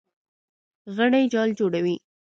غڼې جال جوړوي.